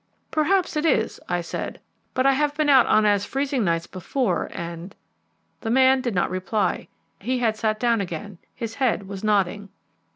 "Perhaps it is," I said; "but I have been out on as freezing nights before, and " The man did not reply; he had sat down again; his head was nodding.